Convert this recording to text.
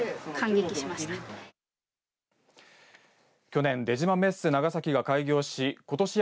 去年、出島メッセ長崎が開業しことし